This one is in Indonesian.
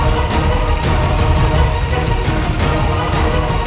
kau akan menangkapnya